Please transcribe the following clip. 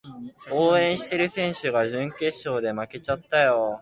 応援してる選手が準決勝で負けちゃったよ